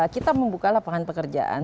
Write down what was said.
kita membuka lapangan pekerjaan